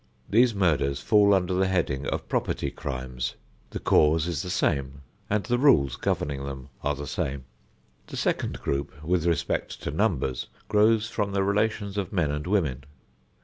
These murders fall under the heading of property crimes; the cause is the same, and the rules governing them are the same. The second group, with respect to numbers, grows from the relations of men and women.